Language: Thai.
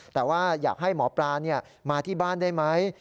แต่ว่าอยากให้หมอปลามาที่บ้านได้ไหม